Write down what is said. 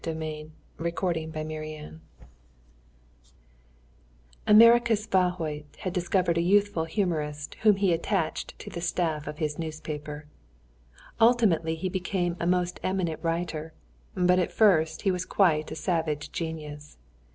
I ALSO BECOME A PETER GYURICZA Emericus Vahot had discovered a youthful humorist whom he attached to the staff of his newspaper. Ultimately he became a most eminent writer, but at first he was quite a savage genius.